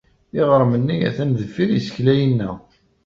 Iɣrem-nni atan deffir yisekla-inna.